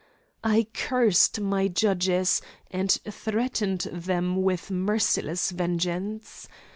I cursed my judges and threatened them with merciless vengeance.